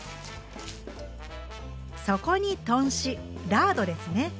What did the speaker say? そこに豚脂ラードですね。